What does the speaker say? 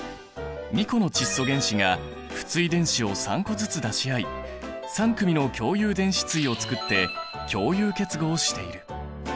２個の窒素原子が不対電子を３個ずつ出し合い３組の共有電子対をつくって共有結合している。